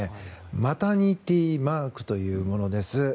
マタニティーマークというものです。